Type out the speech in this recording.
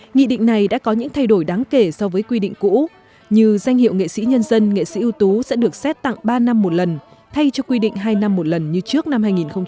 nghị định này đã có những thay đổi đáng kể so với quy định cũ như danh hiệu nghệ sĩ nhân dân nghệ sĩ ưu tú sẽ được xét tặng ba năm một lần thay cho quy định hai năm một lần như trước năm hai nghìn một mươi